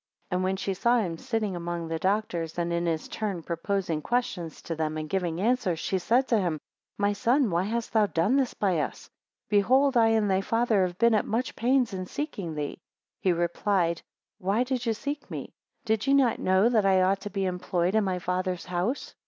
23 And when she saw him sitting among the doctors, and in his turn proposing questions to them, and giving answers, she said to him, My son, why hast thou done thus by us? Behold I and thy father have been at much pains in seeking thee. 24 He replied, Why did ye seek me? Did ye not know that I ought to be employed in my father's house?